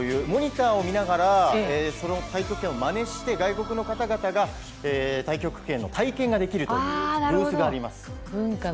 モニターを見ながら太極拳をまねして外国の方々が太極拳の体験ができるブースがあります。